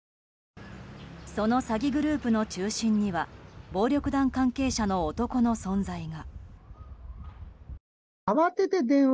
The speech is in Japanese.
その詐欺グループの中心には暴力団関係者の男の存在が。